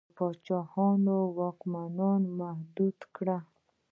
د پاچاهانو واکونه یې محدود کړل.